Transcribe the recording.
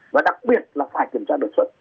và đặc biệt là phải kiểm tra đột xuất